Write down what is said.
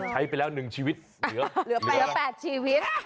ใช้ไปแล้ว๑ชีวิตเหลือ๘ชีวิต